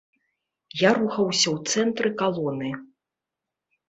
Я рухаўся ў цэнтры калоны.